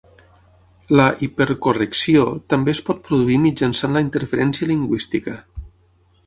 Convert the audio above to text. La hipercorrecció també es pot produir mitjançant la interferència lingüística.